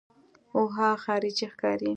اوهو خارجۍ ښکاري.